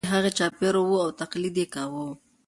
چرګوړي له هغې چاپېر وو او تقلید یې کاوه.